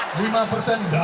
pengalaman sekolah sekolah